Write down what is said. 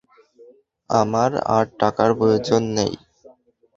আমার আর টাকার প্রয়োজন নেই।